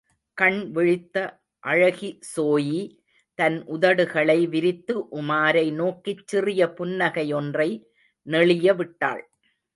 கண்விழித்த அழகிஸோயி தன் உதடுகளை விரித்து உமாரை நோக்கிச் சிறிய புன்னகையொன்றை நெளியவிட்டாள்.